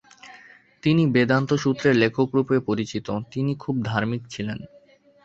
তিনি বেদান্ত-সূত্রের লেখকরূপে পরিচিত, তিনি খুব ধার্মিক ছিলেন।